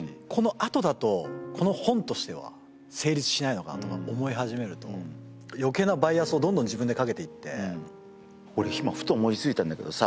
このあとだとこの本としては成立しないのかなとか思い始めると余計なバイアスをどんどん自分でかけていって俺今ふと思いついたんだけどさ